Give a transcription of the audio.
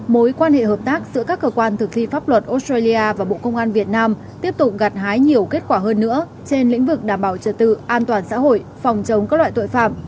mối quan hệ hợp tác giữa các cơ quan thực thi pháp luật australia và bộ công an việt nam tiếp tục gạt hái nhiều kết quả hơn nữa trên lĩnh vực đảm bảo trật tự an toàn xã hội phòng chống các loại tội phạm